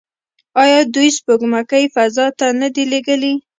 آیا دوی سپوږمکۍ فضا ته نه دي لیږلي؟